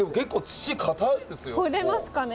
掘れますかね？